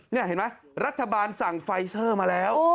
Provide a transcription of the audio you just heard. เห็นไหมรัฐบาลสั่งไฟซัรมาแล้ว